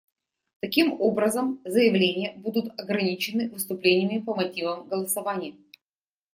Таким образом, заявления будут ограничены выступлениями по мотивам голосования.